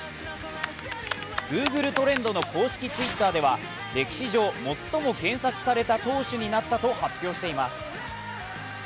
Ｇｏｏｇｌｅトレンドの公式Ｔｗｉｔｔｅｒでは歴史上最も検索された投手になったと発表しています。